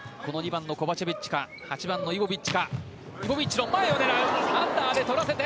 コバチェビッチか８番のイボビッチか。